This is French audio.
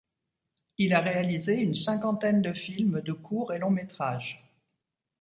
Il a réalisé une cinquantaine de films de court et long métrage.